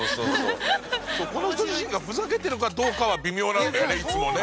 この人自身がふざけてるかどうかは微妙なんだよねいつもね。